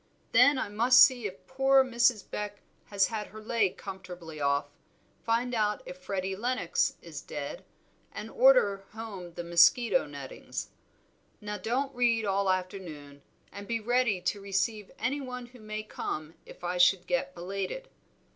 Then I must see if poor Mrs. Beck has had her leg comfortably off, find out if Freddy Lennox is dead, and order home the mosquito nettings. Now don't read all the afternoon, and be ready to receive any one who may come if I should get belated."